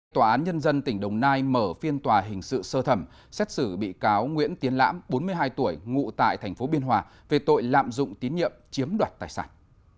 tòa án nhân dân tỉnh đồng nai mở phiên tòa hình sự sơ thẩm xét xử bị cáo nguyễn tiến lãm bốn mươi hai tuổi ngụ tại tp biên hòa về tội lạm dụng tín nhiệm chiếm đoạt tài sản